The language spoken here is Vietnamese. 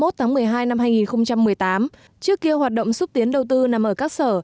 trước kia hoạt động xúc tiến đầu tư nằm ở các sở